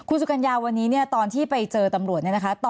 สุกัญญาวันนี้เนี่ยตอนที่ไปเจอตำรวจเนี่ยนะคะ